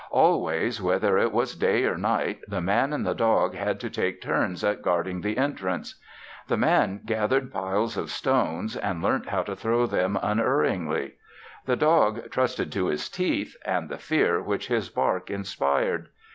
Always, whether it was day or night, the Man and the dog had to take turns at guarding the entrance. The Man gathered piles of stones and learnt how to throw them unerringly. The dog trusted to his teeth and the fear which his bark inspired.